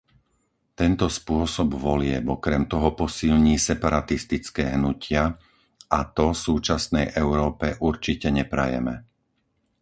Tento spôsob volieb okrem toho posilní separatistické hnutia, a to súčasnej Európe určite neprajeme.